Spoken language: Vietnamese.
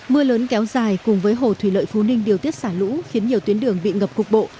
mưa lớn kéo dài cùng với hồ thủy lợi phú ninh điều tiết xả lũ khiến nhiều tuyến đường bị ngập cục bộ